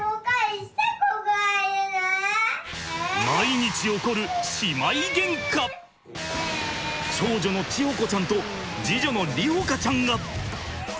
毎日起こる長女の智穂子ちゃんと次女の梨穂花ちゃんが！